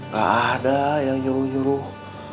gak ada yang nyuruh nyuruh